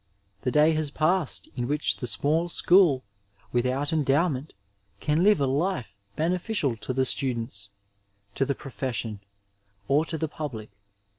The day has passed in which the ' small school without full endowment can live a life bene ficial to the students, to the profession or to the public.